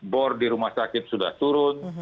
bor di rumah sakit sudah turun